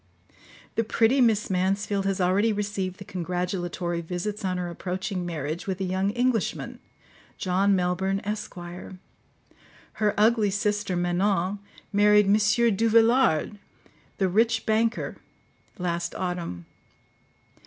The pretty Miss Mansfield has already received the congratulatory visits on her approaching marriage with a young Englishman, John Melbourne, Esq. Her ugly sister, Manon, married M. Duvillard, the rich banker, last autumn.